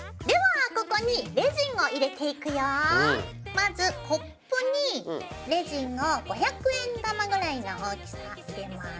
まずコップにレジンを五百円玉ぐらいの大きさ入れます。